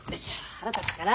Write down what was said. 腹立つから。